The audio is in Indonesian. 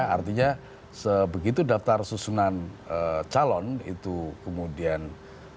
artinya begitu daftar susunan calon itu kemudian telah disepakati